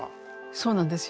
そうなんですよ。